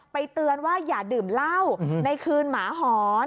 เตือนว่าอย่าดื่มเหล้าในคืนหมาหอน